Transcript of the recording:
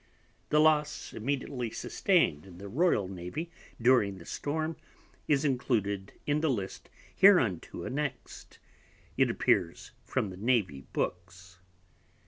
The loss immediately sustain'd in the Royal Navy during the Storm, is included in the List hereunto annex'd, as appears from the Navy Books.